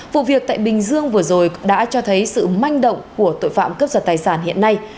vụ việc tại bình dương vừa rồi đã cho thấy sự manh động của tội phạm cướp giật tài sản hiện nay